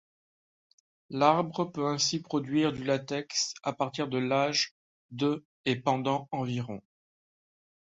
L’arbre peut ainsi produire du latex à partir de l’âge de et pendant environ.